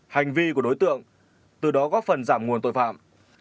hành vi của đối tượng từ đó góp phần giảm nguồn tội phạm